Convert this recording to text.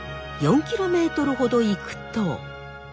４キロメートルほど行くと。